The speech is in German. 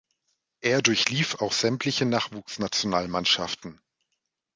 Er durchlief auch sämtliche Nachwuchsnationalmannschaften.